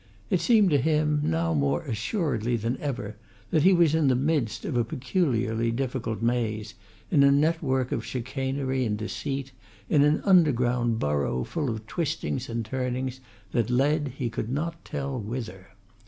It seemed to him, now more assuredly than ever, that he was in the midst of a peculiarly difficult maze, in a network of chicanery and deceit, in an underground burrow full of twistings and turnings that led he could not tell whither.